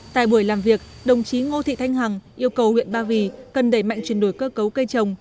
tại buổi làm việc đồng chí ngô thị thanh hằng yêu cầu huyện ba vì cần đẩy mạnh chuyển đổi cơ cấu cây trồng